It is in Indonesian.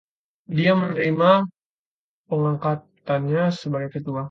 Dia menerima pengangkatannya sebagai ketua.